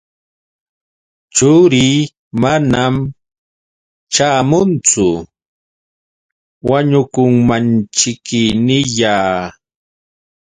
Churii manam ćhaamunchu, wañukunmanćhiki niyaa.